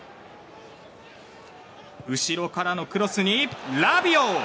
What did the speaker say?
後ろからのクロスに、ラビオ！